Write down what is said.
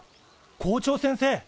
校長先生！